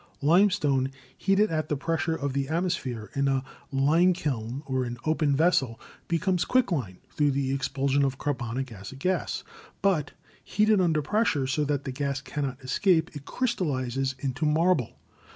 Limestone heated at the pressure of the atmos phere in a limekiln or an open vessel becomes quicklime through the expulsion of carbonic acid gas; but heated under pressure, so that the gas cannot escape, it crystal lizes into marble.